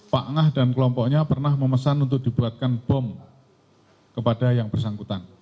pak ngah dan kelompoknya pernah memesan untuk dibuatkan bom kepada yang bersangkutan